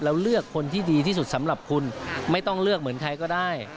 แล้วเลือกคนที่ดีที่สุดสำหรับคุณไม่ต้องเลือกเหมือนใครก็ได้